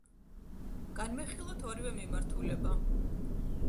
განვიხილოთ ორივე მიმართულება.